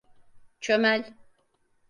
Çömel!